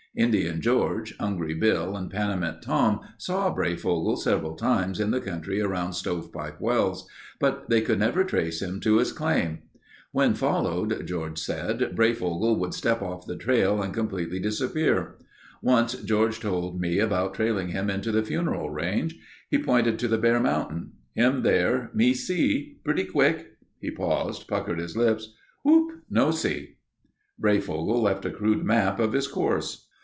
Indian George, Hungry Bill, and Panamint Tom saw Breyfogle several times in the country around Stovepipe Wells, but they could never trace him to his claim. When followed, George said, Breyfogle would step off the trail and completely disappear. Once George told me about trailing him into the Funeral Range. He pointed to the bare mountain. "Him there, me see. Pretty quick—" He paused, puckered his lips. "Whoop—no see." Breyfogle left a crude map of his course.